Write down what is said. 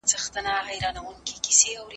هغه دولت چي اسراف کوي زوال مومي.